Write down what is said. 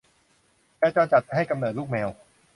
แมวจรจัดให้กำเนิดลูกแมว